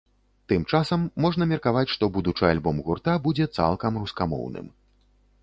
Тым часам, можна меркаваць, што будучы альбом гурта будзе цалкам рускамоўным.